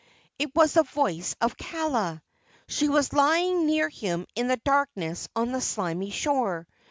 It was the voice of Kaala. She was lying near him in the darkness on the slimy shore.